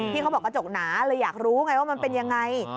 เขาบอกกระจกหนาเลยอยากรู้ไงว่ามันเป็นยังไง